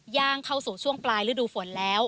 ย่างเข้าสู่ช่วงปลายฤดูฝนแล้ว